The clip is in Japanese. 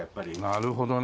なるほどね。